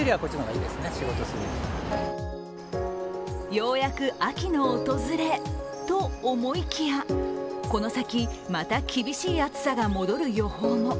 ようやく秋の訪れ、と思いきやこの先また厳しい暑さが戻る予報も。